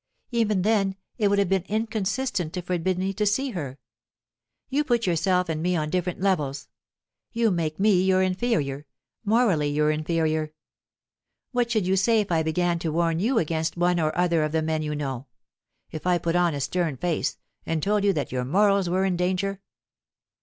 Even then it would have been inconsistent to forbid me to see her. You put yourself and me on different levels. You make me your inferior morally your inferior. What should you say if I began to warn you against one or other of the men you know if I put on a stern face, and told you that your morals were in danger?"